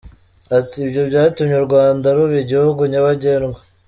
Ati “ Ibyo byatumye u Rwanda ruba igihugu nyabagendwa.